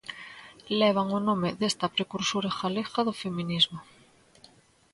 Levan o nome desta precursora galega do feminismo.